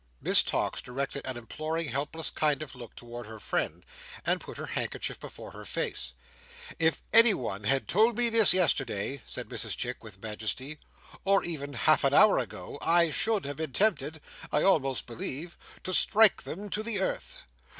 Miss Tox directed an imploring, helpless kind of look towards her friend, and put her handkerchief before her face. "If anyone had told me this yesterday," said Mrs Chick, with majesty, "or even half an hour ago, I should have been tempted, I almost believe, to strike them to the earth.